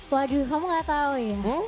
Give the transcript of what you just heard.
waduh kamu gak tau ya